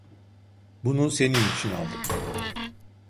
Bunu senin için aldım.